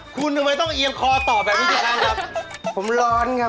คุณทำไมต้องเอียงคอต่อแบบนี้ทีครั้งครับ